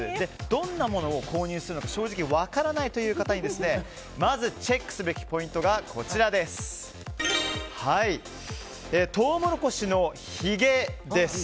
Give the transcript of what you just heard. どんなものを購入するのか正直分からないという方のためにまず、チェックすべきポイントがトウモロコシのひげです。